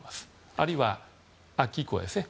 あるいは秋以降ですね。